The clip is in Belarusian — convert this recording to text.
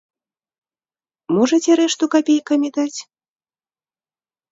Можаце рэшту капейкамі даць?